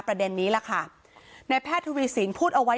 ประเด็นนี้ล่ะค่ะในแพทย์ทวีสินพูดเอาไว้